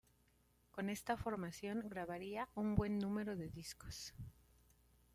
Con esta formación, grabaría un buen número de discos.